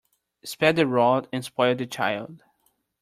Spare the rod and spoil the child.